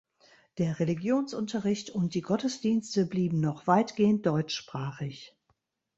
Der Religionsunterricht und die Gottesdienste blieben noch weitgehend deutschsprachig.